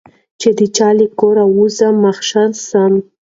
چي د چا له کوره وزمه محشر سم